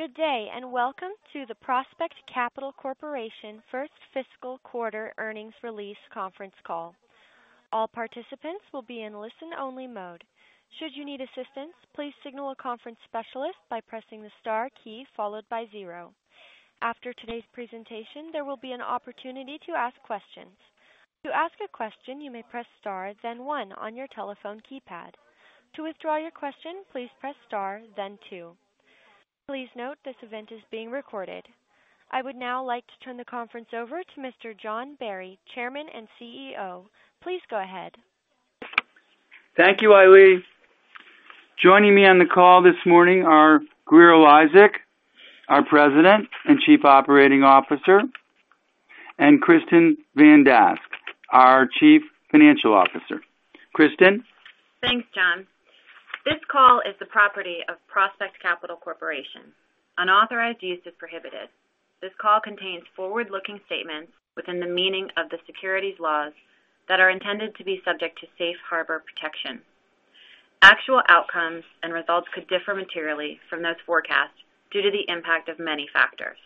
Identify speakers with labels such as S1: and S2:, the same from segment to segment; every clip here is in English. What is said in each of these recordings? S1: Good day. Welcome to the Prospect Capital Corporation first fiscal quarter earnings release conference call. All participants will be in listen-only mode. Should you need assistance, please signal a conference specialist by pressing the star key, followed by zero. After today's presentation, there will be an opportunity to ask questions. To ask a question, you may press star then one on your telephone keypad. To withdraw your question, please press star then two. Please note this event is being recorded. I would now like to turn the conference over to Mr. John Barry, Chairman and CEO. Please go ahead.
S2: Thank you, Eileene. Joining me on the call this morning are Grier Eliasek, our President and Chief Operating Officer, and Kristin Van Dask, our Chief Financial Officer. Kristin.
S3: Thanks, John. This call is the property of Prospect Capital Corporation. Unauthorized use is prohibited. This call contains forward-looking statements within the meaning of the securities laws that are intended to be subject to safe harbor protection. Actual outcomes and results could differ materially from those forecasts due to the impact of many factors.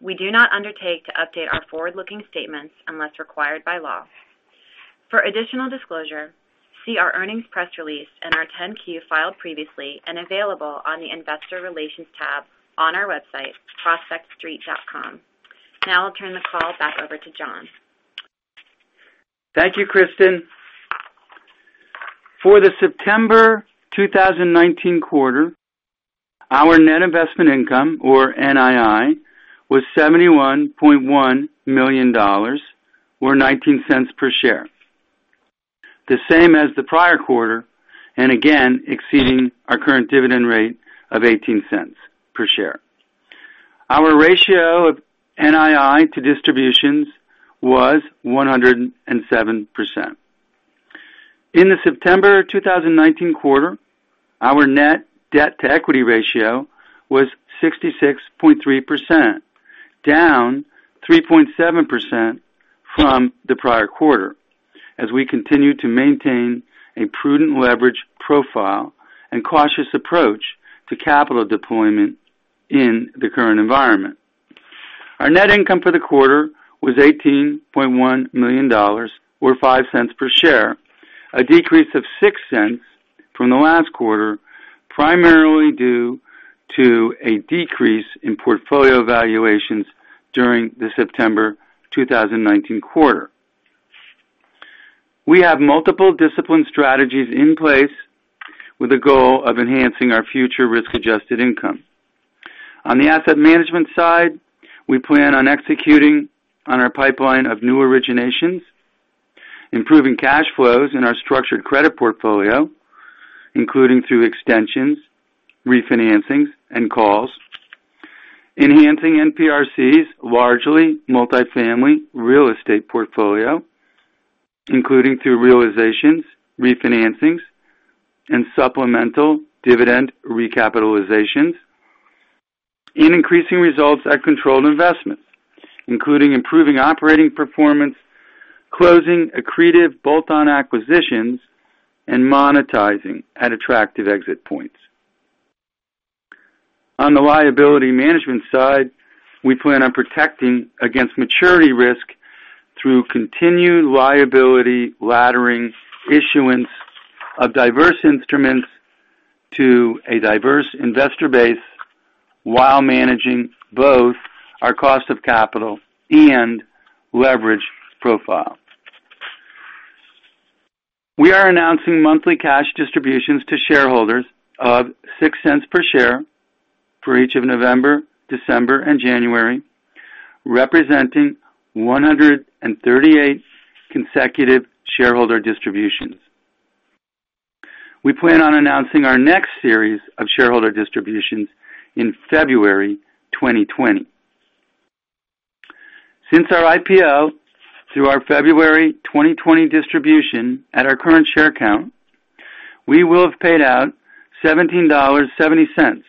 S3: We do not undertake to update our forward-looking statements unless required by law. For additional disclosure, see our earnings press release and our 10-Q filed previously and available on the investor relations tab on our website, prospectstreet.com. Now I'll turn the call back over to John.
S2: Thank you, Kristin. For the September 2019 quarter, our net investment income, or NII, was $71.1 million, or $0.19 per share, the same as the prior quarter, and again, exceeding our current dividend rate of $0.18 per share. Our ratio of NII to distributions was 107%. In the September 2019 quarter, our net debt-to-equity ratio was 66.3%, down 3.7% from the prior quarter as we continue to maintain a prudent leverage profile and cautious approach to capital deployment in the current environment. Our net income for the quarter was $18.1 million, or $0.05 per share, a decrease of $0.06 from the last quarter, primarily due to a decrease in portfolio valuations during the September 2019 quarter. We have multiple discipline strategies in place with the goal of enhancing our future risk-adjusted income. On the asset management side, we plan on executing on our pipeline of new originations, improving cash flows in our structured credit portfolio, including through extensions, refinancings, and calls, enhancing NPRC's largely multifamily real estate portfolio, including through realizations, refinancings, and supplemental dividend recapitalizations, and increasing results at controlled investments, including improving operating performance, closing accretive bolt-on acquisitions, and monetizing at attractive exit points. On the liability management side, we plan on protecting against maturity risk through continued liability laddering, issuance of diverse instruments to a diverse investor base while managing both our cost of capital and leverage profile. We are announcing monthly cash distributions to shareholders of $0.06 per share for each of November, December, and January, representing 138 consecutive shareholder distributions. We plan on announcing our next series of shareholder distributions in February 2020. Since our IPO, through our February 2020 distribution at our current share count, we will have paid out $17.70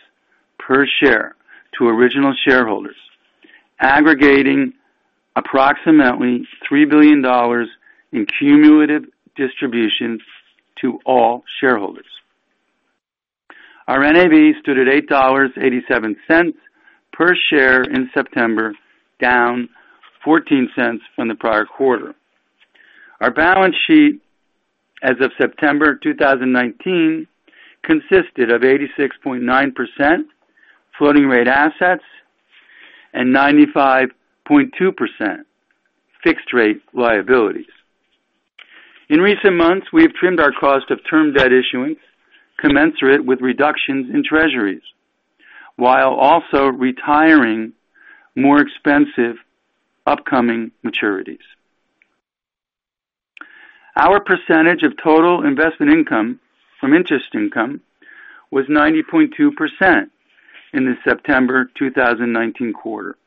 S2: per share to original shareholders, aggregating approximately $3 billion in cumulative distributions to all shareholders. Our NAV stood at $8.87 per share in September, down $0.14 from the prior quarter. Our balance sheet as of September 2019 consisted of 86.9% floating rate assets and 95.2% fixed rate liabilities. In recent months, we have trimmed our cost of term debt issuance commensurate with reductions in Treasuries, while also retiring more expensive upcoming maturities. Our percentage of total investment income from interest income was 90.2% in the September 2019 quarter,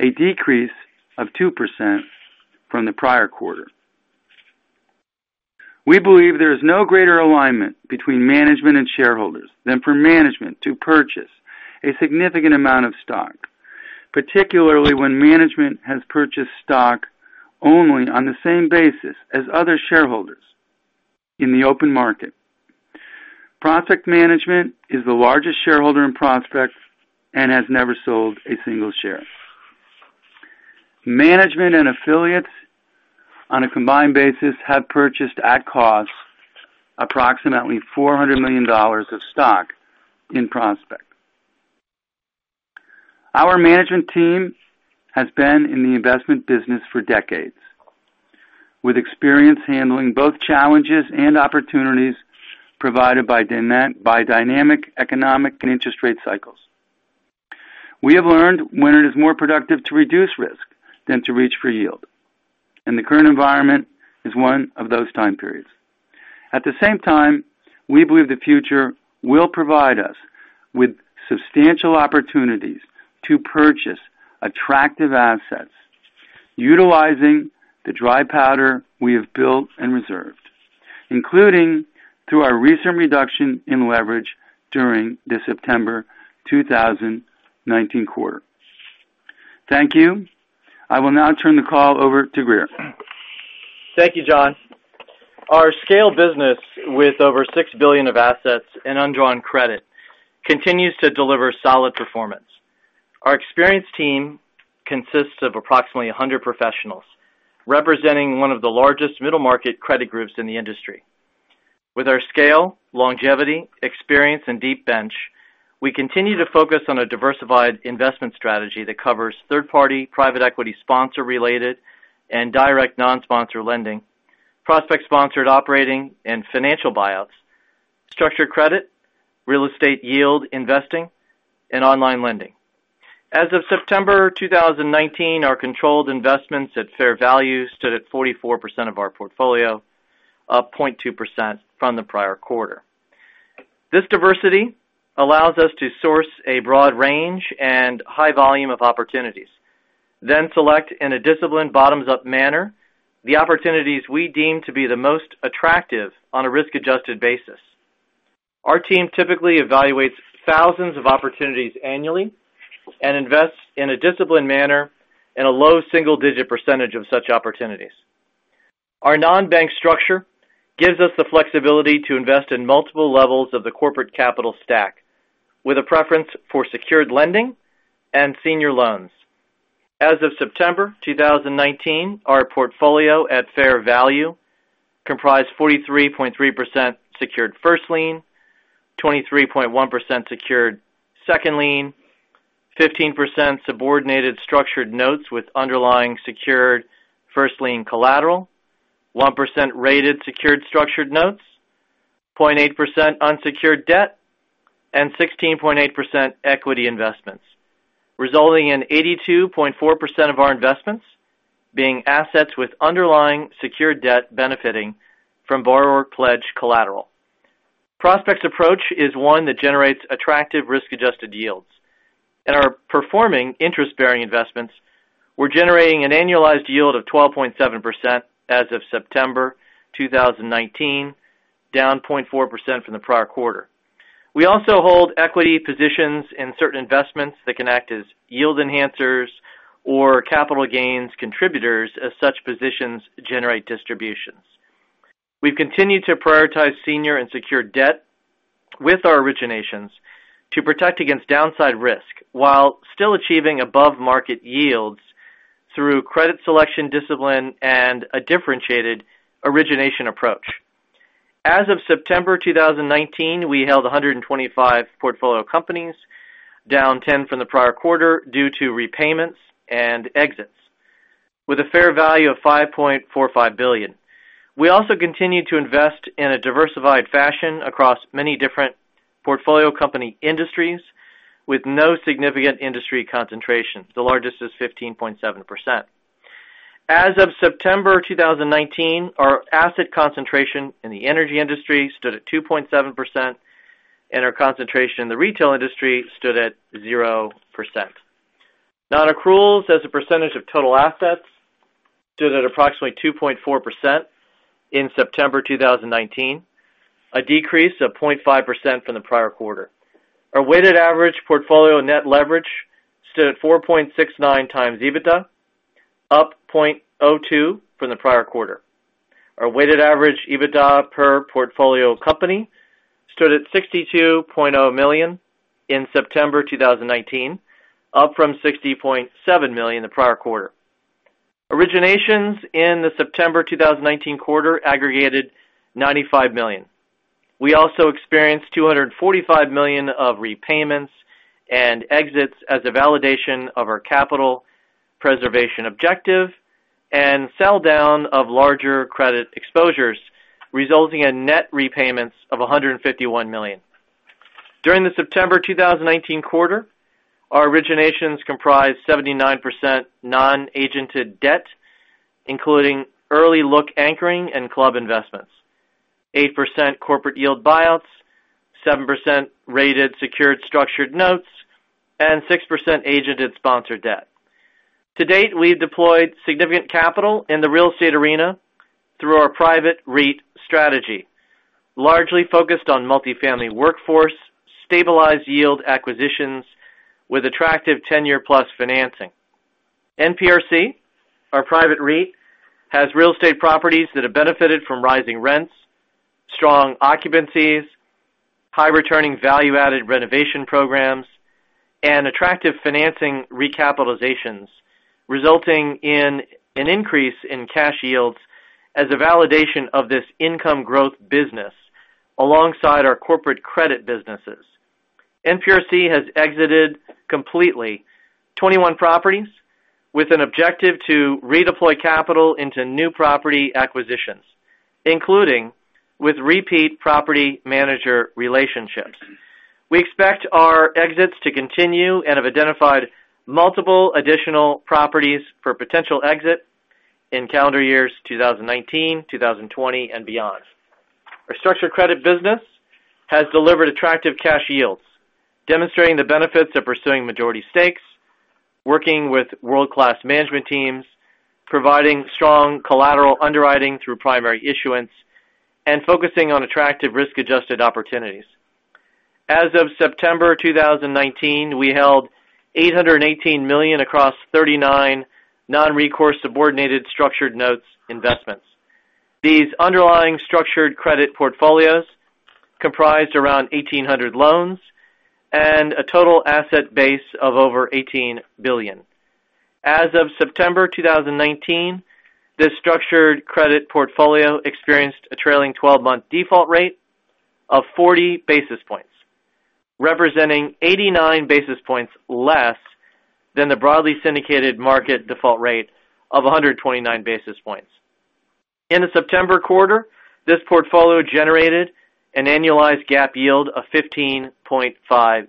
S2: a decrease of 2% from the prior quarter. We believe there is no greater alignment between management and shareholders than for management to purchase a significant amount of stock, particularly when management has purchased stock only on the same basis as other shareholders in the open market. Prospect Capital Management is the largest shareholder in Prospect and has never sold a single share. Management and affiliates, on a combined basis, have purchased at cost approximately $400 million of stock in Prospect. Our management team has been in the investment business for decades, with experience handling both challenges and opportunities provided by dynamic economic and interest rate cycles. We have learned when it is more productive to reduce risk than to reach for yield. The current environment is one of those time periods. At the same time, we believe the future will provide us with substantial opportunities to purchase attractive assets utilizing the dry powder we have built and reserved, including through our recent reduction in leverage during the September 2019 quarter. Thank you. I will now turn the call over to Grier.
S4: Thank you, John. Our scale business, with over $6 billion of assets in undrawn credit, continues to deliver solid performance. Our experienced team consists of approximately 100 professionals, representing one of the largest middle-market credit groups in the industry. With our scale, longevity, experience, and deep bench, we continue to focus on a diversified investment strategy that covers third-party private equity sponsor-related and direct non-sponsor lending. Prospect-sponsored operating and financial buyouts, structured credit, real estate yield investing, and online lending. As of September 2019, our controlled investments at fair value stood at 44% of our portfolio, up 0.2% from the prior quarter. This diversity allows us to source a broad range and high volume of opportunities, then select in a disciplined bottoms-up manner, the opportunities we deem to be the most attractive on a risk-adjusted basis. Our team typically evaluates thousands of opportunities annually and invests in a disciplined manner in a low single-digit percentage of such opportunities. Our non-bank structure gives us the flexibility to invest in multiple levels of the corporate capital stack, with a preference for secured lending and senior loans. As of September 2019, our portfolio at fair value comprised 43.3% secured first lien, 23.1% secured second lien, 15% subordinated structured notes with underlying secured first lien collateral, 1% rated secured structured notes, 0.8% unsecured debt, and 16.8% equity investments, resulting in 82.4% of our investments being assets with underlying secured debt benefiting from borrower pledge collateral. Prospect's approach is one that generates attractive risk-adjusted yields. In our performing interest-bearing investments, we're generating an annualized yield of 12.7% as of September 2019, down 0.4% from the prior quarter. We also hold equity positions in certain investments that can act as yield enhancers or capital gains contributors as such positions generate distributions. We've continued to prioritize senior and secured debt with our originations to protect against downside risk while still achieving above-market yields through credit selection discipline and a differentiated origination approach. As of September 2019, we held 125 portfolio companies, down 10 from the prior quarter due to repayments and exits with a fair value of $5.45 billion. We also continue to invest in a diversified fashion across many different portfolio company industries with no significant industry concentration. The largest is 15.7%. As of September 2019, our asset concentration in the energy industry stood at 2.7%, and our concentration in the retail industry stood at 0%. Non-accruals as a percentage of total assets stood at approximately 2.4% in September 2019, a decrease of 0.5% from the prior quarter. Our weighted average portfolio net leverage stood at 4.69 times EBITDA, up 0.02 from the prior quarter. Our weighted average EBITDA per portfolio company stood at $62.0 million in September 2019, up from $60.7 million the prior quarter. Originations in the September 2019 quarter aggregated $95 million. We also experienced $245 million of repayments and exits as a validation of our capital preservation objective and sell down of larger credit exposures, resulting in net repayments of $151 million. During the September 2019 quarter, our originations comprised 79% non-agented debt, including early look anchoring and club investments. 8% corporate yield buyouts, 7% rated secured structured notes, and 6% agented sponsored debt. To date, we've deployed significant capital in the real estate arena through our private REIT strategy, largely focused on multi-family workforce, stabilized yield acquisitions with attractive tenure plus financing. NPRC, our private REIT, has real estate properties that have benefited from rising rents, strong occupancies, high-returning value-added renovation programs, and attractive financing recapitalizations, resulting in an increase in cash yields as a validation of this income growth business alongside our corporate credit businesses. NPRC has exited completely 21 properties with an objective to redeploy capital into new property acquisitions, including with repeat property manager relationships. We expect our exits to continue and have identified multiple additional properties for potential exit in calendar years 2019, 2020, and beyond. Our structured credit business has delivered attractive cash yields, demonstrating the benefits of pursuing majority stakes, working with world-class management teams, providing strong collateral underwriting through primary issuance, and focusing on attractive risk-adjusted opportunities. As of September 2019, we held $818 million across 39 non-recourse subordinated structured notes investments. These underlying structured credit portfolios comprised around 1,800 loans and a total asset base of over $18 billion. As of September 2019, this structured credit portfolio experienced a trailing 12-month default rate of 40 basis points, representing 89 basis points less than the broadly syndicated market default rate of 129 basis points. In the September quarter, this portfolio generated an annualized GAAP yield of 15.5%.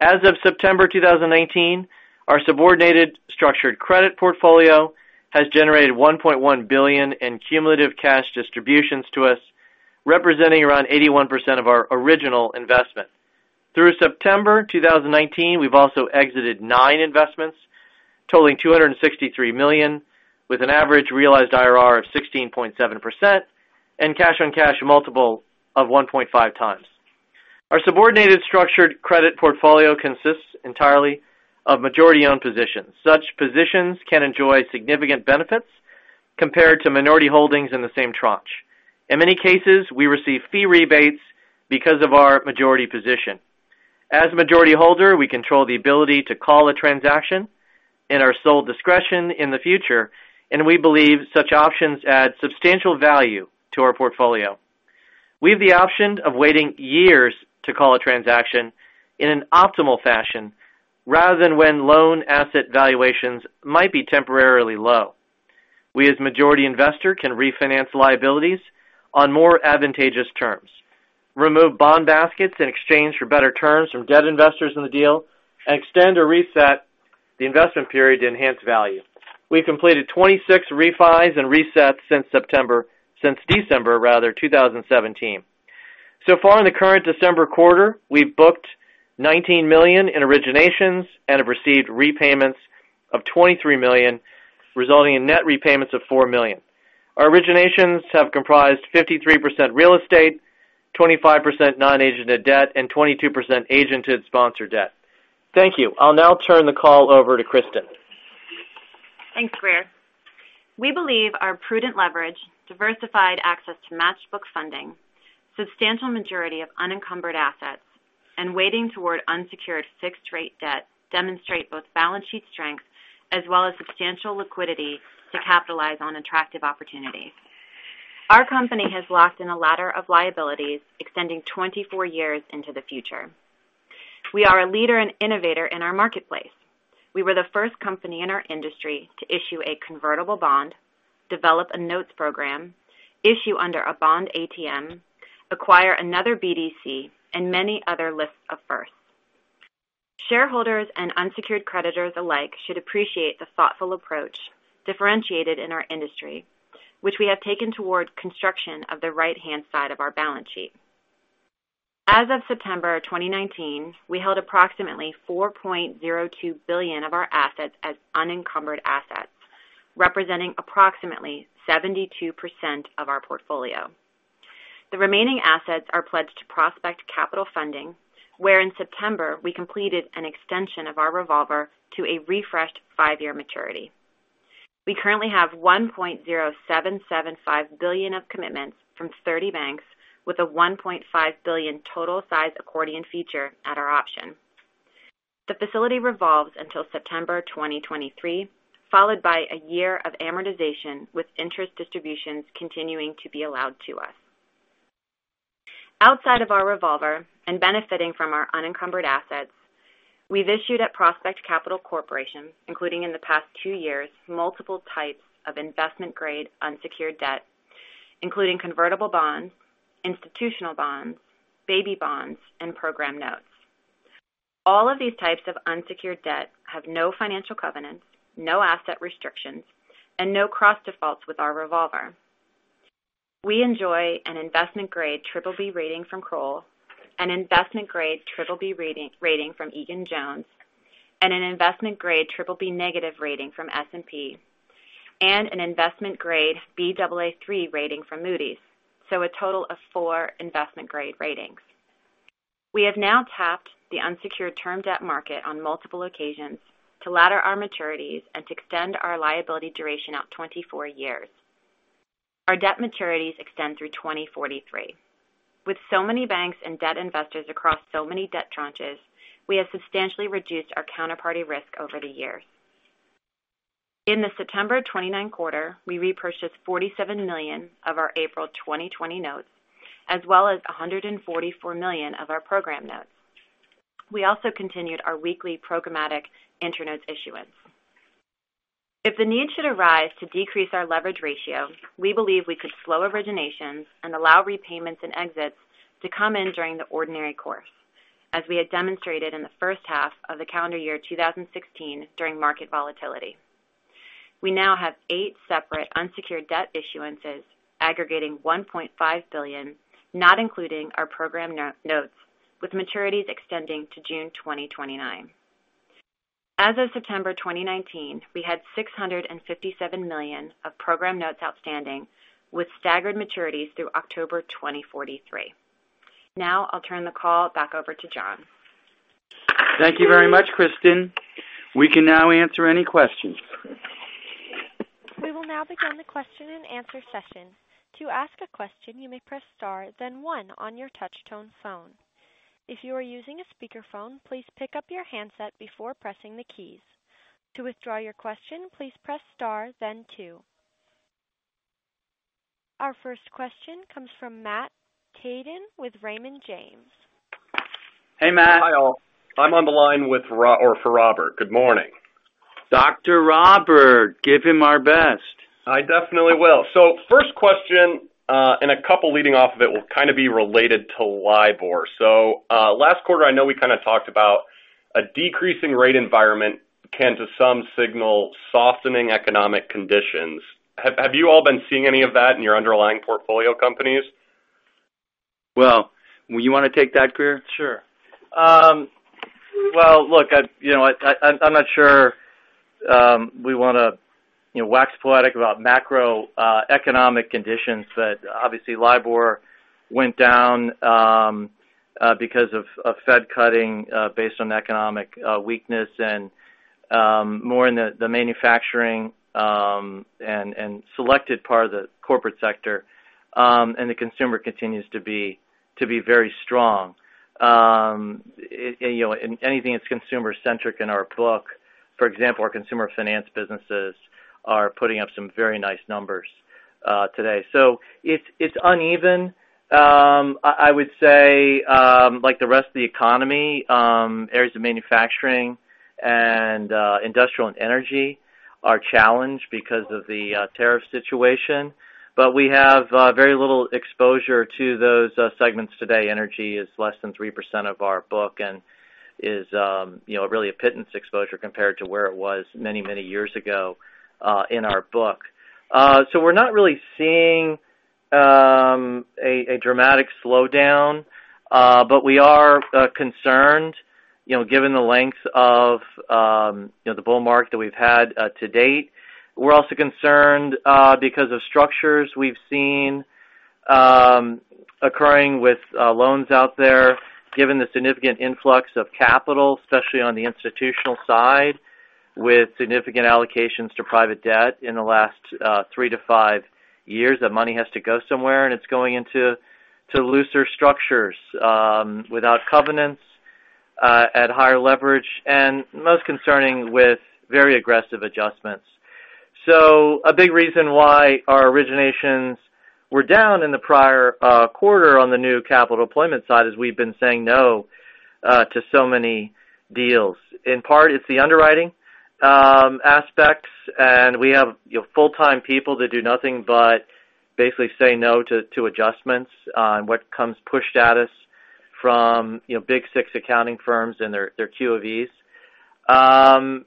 S4: As of September 2019, our subordinated structured credit portfolio has generated $1.1 billion in cumulative cash distributions to us, representing around 81% of our original investment. Through September 2019, we've also exited nine investments totaling $263 million, with an average realized IRR of 16.7% and cash-on-cash multiple of 1.5 times. Our subordinated structured credit portfolio consists entirely of majority-owned positions. Such positions can enjoy significant benefits compared to minority holdings in the same tranche. In many cases, we receive fee rebates because of our majority position. As a majority holder, we control the ability to call a transaction in our sole discretion in the future, and we believe such options add substantial value to our portfolio. We have the option of waiting years to call a transaction in an optimal fashion, rather than when loan asset valuations might be temporarily low. We, as majority investor, can refinance liabilities on more advantageous terms, remove bond baskets in exchange for better terms from debt investors in the deal, and extend or reset the investment period to enhance value. We've completed 26 refis and resets since December 2017. So far in the current December quarter, we've booked $19 million in originations and have received repayments of $23 million, resulting in net repayments of $4 million. Our originations have comprised 53% real estate, 25% non-agent debt, and 22% agented sponsored debt. Thank you. I'll now turn the call over to Kristin.
S3: Thanks, Grier. We believe our prudent leverage, diversified access to match book funding, substantial majority of unencumbered assets, and weighting toward unsecured fixed-rate debt demonstrate both balance sheet strength as well as substantial liquidity to capitalize on attractive opportunities. Our company has locked in a ladder of liabilities extending 24 years into the future. We are a leader and innovator in our marketplace. We were the first company in our industry to issue a convertible bond, develop a notes program, issue under a bond ATM, acquire another BDC, and many other lists of firsts. Shareholders and unsecured creditors alike should appreciate the thoughtful approach differentiated in our industry, which we have taken towards construction of the right-hand side of our balance sheet. As of September 2019, we held approximately $4.02 billion of our assets as unencumbered assets, representing approximately 72% of our portfolio. The remaining assets are pledged to Prospect Capital Funding, where in September we completed an extension of our revolver to a refreshed five-year maturity. We currently have $1.0775 billion of commitments from 30 banks with a $1.5 billion total size accordion feature at our option. The facility revolves until September 2023, followed by a year of amortization with interest distributions continuing to be allowed to us. Outside of our revolver and benefiting from our unencumbered assets, we've issued at Prospect Capital Corporation, including in the past two years, multiple types of investment-grade unsecured debt, including convertible bonds, institutional bonds, baby bonds, and InterNotes. All of these types of unsecured debt have no financial covenants, no asset restrictions, and no cross defaults with our revolver. We enjoy an investment-grade BBB rating from Kroll, an investment-grade BBB rating from Egan-Jones, and an investment-grade BBB negative rating from S&P. An investment grade Baa3 rating from Moody's. A total of four investment grade ratings. We have now tapped the unsecured term debt market on multiple occasions to ladder our maturities and to extend our liability duration out 24 years. Our debt maturities extend through 2043. With so many banks and debt investors across so many debt tranches, we have substantially reduced our counterparty risk over the years. In the September 29 quarter, we repurchased $47 million of our April 2020 notes, as well as $144 million of our program notes. We also continued our weekly programmatic InterNotes issuance. If the need should arise to decrease our leverage ratio, we believe we could slow originations and allow repayments and exits to come in during the ordinary course, as we had demonstrated in the first half of calendar year 2016 during market volatility. We now have eight separate unsecured debt issuances aggregating $1.5 billion, not including our program notes, with maturities extending to June 2029. As of September 2019, we had $657 million of program notes outstanding, with staggered maturities through October 2043. Now, I'll turn the call back over to John.
S2: Thank you very much, Kristin. We can now answer any questions.
S1: We will now begin the question and answer session. To ask a question, you may press star then one on your touch tone phone. If you are using a speakerphone, please pick up your handset before pressing the keys. To withdraw your question, please press star then two. Our first question comes from Matt Tjaden with Raymond James.
S2: Hey, Matt.
S5: Hi, all. I'm on the line for Robert. Good morning.
S2: Dr. Robert. Give him our best.
S5: I definitely will. First question, and a couple leading off of it will kind of be related to LIBOR. Last quarter, I know we kind of talked about a decreasing rate environment can, to some, signal softening economic conditions. Have you all been seeing any of that in your underlying portfolio companies?
S2: Well, you want to take that, Grier?
S4: Sure. Well, look, I'm not sure we want to wax poetic about macroeconomic conditions. Obviously, LIBOR went down because of Fed cutting based on economic weakness and more in the manufacturing and selected part of the corporate sector. The consumer continues to be very strong. Anything that's consumer-centric in our book, for example, our consumer finance businesses are putting up some very nice numbers today. It's uneven. I would say, like the rest of the economy, areas of manufacturing and industrial and energy are challenged because of the tariff situation. We have very little exposure to those segments today. Energy is less than 3% of our book and is really a pittance exposure compared to where it was many, many years ago in our book. We're not really seeing a dramatic slowdown. We are concerned given the length of the bull market that we've had to date. We're also concerned because of structures we've seen occurring with loans out there. Given the significant influx of capital, especially on the institutional side, with significant allocations to private debt in the last 3 to 5 years. That money has to go somewhere, and it's going into looser structures without covenants at higher leverage, and most concerning with very aggressive adjustments. A big reason why our originations were down in the prior quarter on the new capital deployment side is we've been saying no to so many deals. In part, it's the underwriting aspects, and we have full-time people that do nothing but basically say no to adjustments on what comes pushed at us from big six accounting firms and their QofEs. In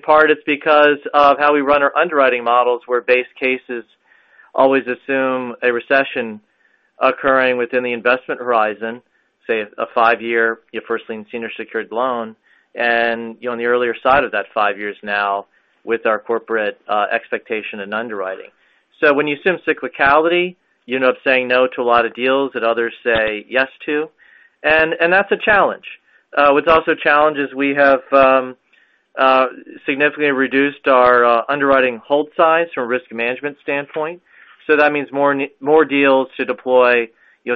S4: part, it's because of how we run our underwriting models, where base cases always assume a recession occurring within the investment horizon. Say, a five-year first lien senior secured loan. On the earlier side of that five years now with our corporate expectation and underwriting. When you assume cyclicality, you end up saying no to a lot of deals that others say yes to. That's a challenge. What's also a challenge is we have significantly reduced our underwriting hold size from a risk management standpoint. That means more deals to deploy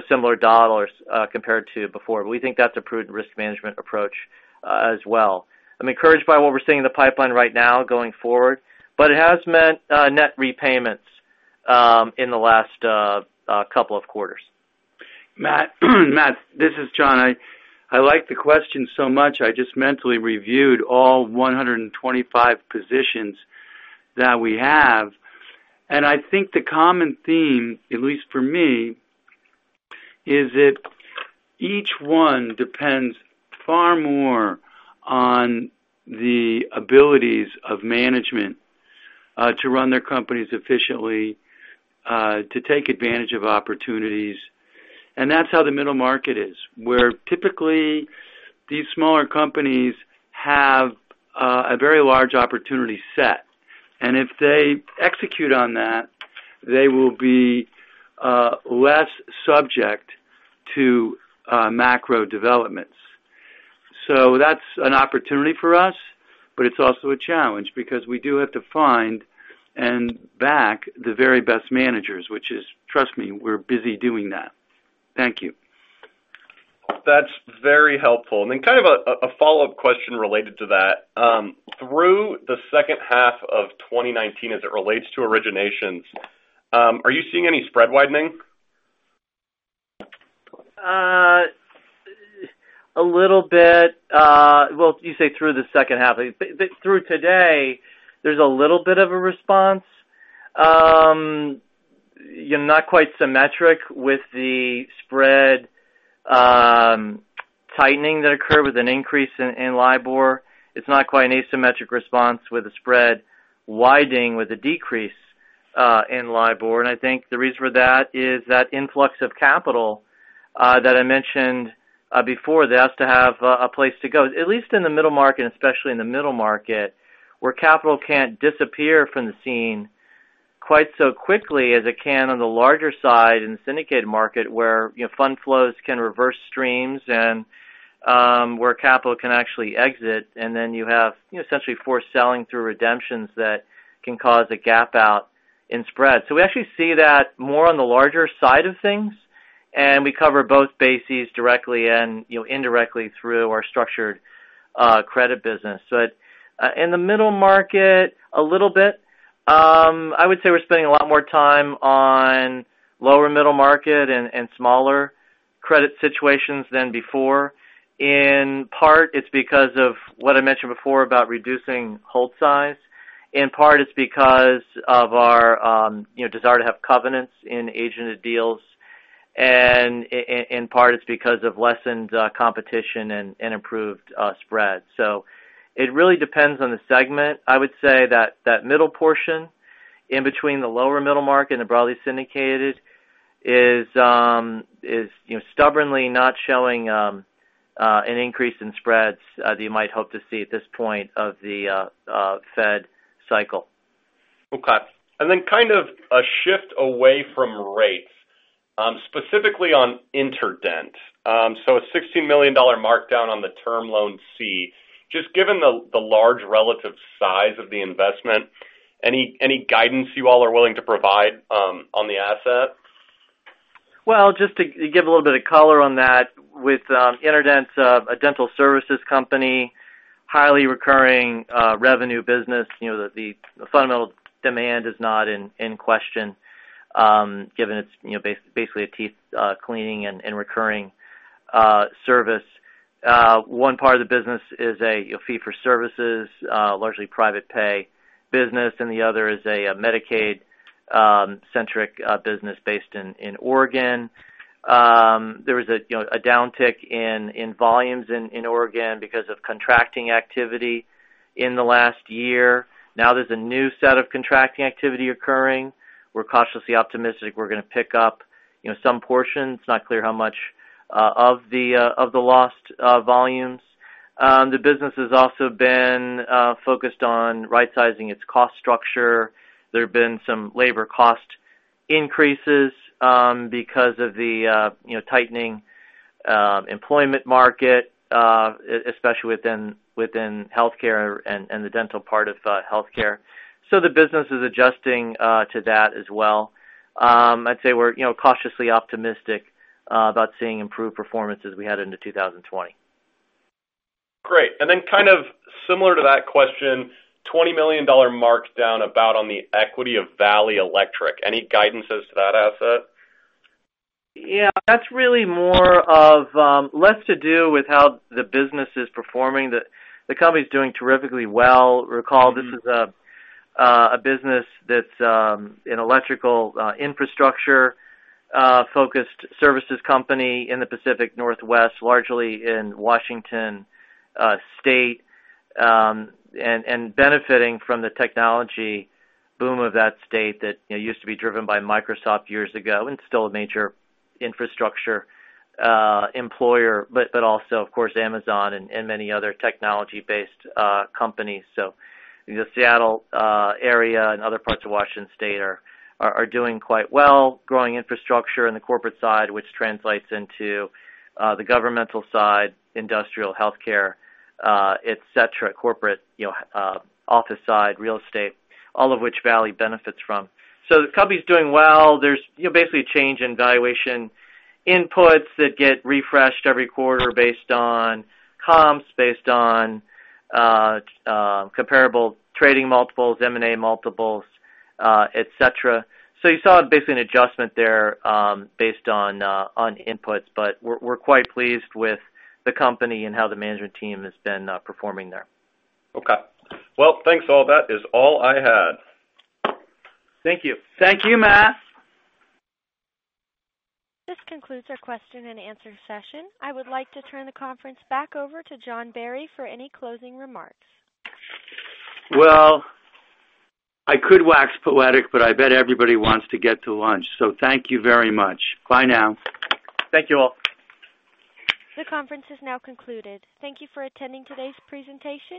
S4: similar dollars compared to before. We think that's a prudent risk management approach as well. I'm encouraged by what we're seeing in the pipeline right now going forward. It has meant net repayments in the last couple of quarters.
S2: Matt, this is John. I liked the question so much. I just mentally reviewed all 125 positions that we have. I think the common theme, at least for me, is that each one depends far more on the abilities of management to run their companies efficiently to take advantage of opportunities. That's how the middle market is. Where typically these smaller companies have a very large opportunity set, and if they execute on that, they will be less subject to macro developments. That's an opportunity for us, but it's also a challenge because we do have to find and back the very best managers, which is, trust me, we're busy doing that. Thank you.
S5: That's very helpful. Kind of a follow-up question related to that. Through the second half of 2019 as it relates to originations, are you seeing any spread widening?
S4: A little bit. Well, you say through the second half. Through today, there's a little bit of a response. Not quite symmetric with the spread tightening that occurred with an increase in LIBOR. It's not quite an asymmetric response with a spread widening with a decrease in LIBOR. I think the reason for that is that influx of capital that I mentioned before that has to have a place to go. At least in the middle market, especially in the middle market, where capital can't disappear from the scene quite so quickly as it can on the larger side in the syndicated market where fund flows can reverse streams and where capital can actually exit. Then you have essentially forced selling through redemptions that can cause a gap out in spread. We actually see that more on the larger side of things, and we cover both bases directly and indirectly through our structured credit business. In the middle market, a little bit. I would say we're spending a lot more time on lower middle market and smaller credit situations than before. In part, it's because of what I mentioned before about reducing hold size. In part, it's because of our desire to have covenants in agented deals. In part, it's because of lessened competition and improved spreads. It really depends on the segment. I would say that that middle portion in between the lower middle market and the broadly syndicated is stubbornly not showing an increase in spreads that you might hope to see at this point of the Fed cycle.
S5: Okay. Kind of a shift away from rates. Specifically on InterDent. A $16 million markdown on the Term Loan C. Just given the large relative size of the investment, any guidance you all are willing to provide on the asset?
S4: Well, just to give a little bit of color on that with InterDent, a dental services company, highly recurring revenue business. The fundamental demand is not in question given it's basically a teeth cleaning and recurring service. One part of the business is a fee for services, largely private pay business, and the other is a Medicaid centric business based in Oregon. There was a downtick in volumes in Oregon because of contracting activity in the last year. There's a new set of contracting activity occurring. We're cautiously optimistic we're going to pick up some portion. It's not clear how much of the lost volumes. The business has also been focused on right-sizing its cost structure. There have been some labor cost increases because of the tightening employment market, especially within healthcare and the dental part of healthcare. The business is adjusting to that as well. I'd say we're cautiously optimistic about seeing improved performance as we head into 2020.
S5: Great. Then kind of similar to that question, $20 million marked down about on the equity of Valley Electric. Any guidances to that asset?
S4: Yeah, that's really more or less to do with how the business is performing. The company's doing terrifically well. Recall this is a business that's an electrical infrastructure-focused services company in the Pacific Northwest, largely in Washington State. Benefiting from the technology boom of that state that used to be driven by Microsoft years ago and still a major infrastructure employer. Also, of course, Amazon and many other technology-based companies. The Seattle area and other parts of Washington State are doing quite well, growing infrastructure in the corporate side, which translates into the governmental side, industrial healthcare, et cetera, corporate office side, real estate, all of which Valley benefits from. The company's doing well. There's basically a change in valuation inputs that get refreshed every quarter based on comps, based on comparable trading multiples, M&A multiples, et cetera. You saw basically an adjustment there based on inputs. We're quite pleased with the company and how the management team has been performing there.
S5: Okay. Well, thanks all. That is all I had.
S2: Thank you.
S4: Thank you, Matt.
S1: This concludes our question and answer session. I would like to turn the conference back over to John Barry for any closing remarks.
S2: Well, I could wax poetic, but I bet everybody wants to get to lunch. Thank you very much. Bye now.
S4: Thank you all.
S1: The conference is now concluded. Thank you for attending today's presentation.